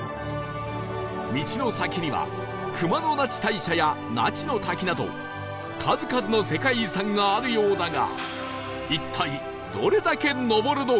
道の先には熊野那智大社や那智の滝など数々の世界遺産があるようだが一体どれだけ登るのか？